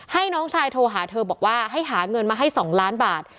ให้น้องชายโทรหาเธอบอกว่าให้หาเงินมาให้๒ล้านบาท